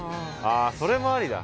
あそれもありだ。